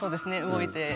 動いて。